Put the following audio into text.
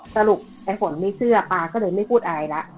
สรุปไอ้ฝนไม่เชื่อป๊าก็เลยไม่พูดอะไรละ